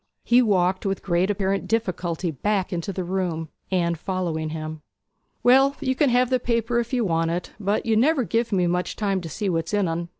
He walked with great apparent difficulty back into the room, Anne following him. 'Well, you can have the paper if you want it; but you never give me much time to see what's in en!